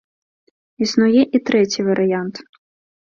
Існуе і трэці варыянт.